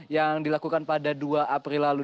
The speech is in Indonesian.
yang dilakukan pada dua april lalu